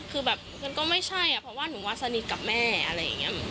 คือแบบมันก็ไม่ใช่อ่ะเพราะว่าหนูว่าสนิทกับแม่อะไรอย่างนี้